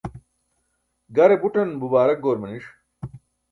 gare buṭan bubaarak goor maniṣ